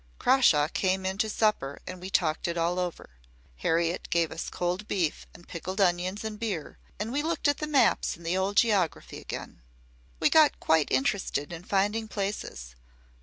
Crawshaw came in to supper and we talked it all over. Harriet gave us cold beef and pickled onions and beer, and we looked at the maps in the old geography again. We got quite interested in finding places.